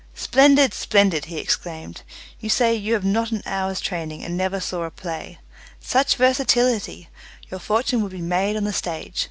"Splendid! splendid!" he exclaimed. "You say you have not had an hour's training, and never saw a play. Such versatility. Your fortune would be made on the stage.